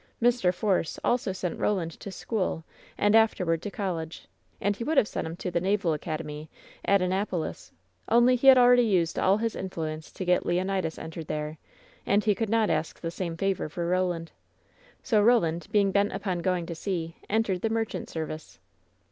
Mr. Force also sent Roland to school and afterward to college, and he would have sent him to the Naval Academy, at Annapolis, only he had already used all his influence to get Leonidas en tered there, and he could not ask the same favor for Roland. So Roland, being bent upon going to sea, en tered the merchant service."